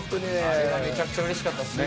あれはめちゃくちゃ嬉しかったですね。